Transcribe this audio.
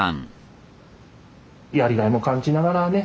やりがいも感じながらね